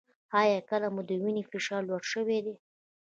ایا کله مو د وینې فشار لوړ شوی دی؟